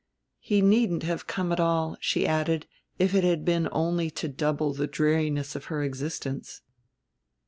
He needn't have come at all, she added, if it had been only to double the dreariness of her existence.